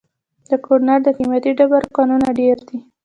د کونړ د قیمتي ډبرو کانونه ډیر دي